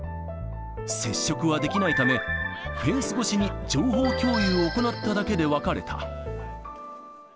接触はできないため、フェンス越しに情報共有を行っただけで別れた。